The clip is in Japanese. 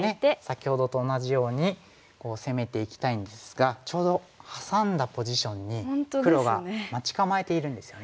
先ほどと同じように攻めていきたいんですがちょうどハサんだポジションに黒が待ち構えているんですよね。